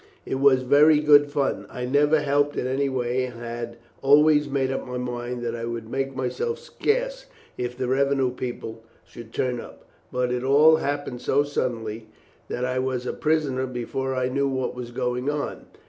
It was very good fun. I never helped in any way, and had always made up my mind that I would make myself scarce if the revenue people should turn up, but it all happened so suddenly that I was a prisoner before I knew what was going on.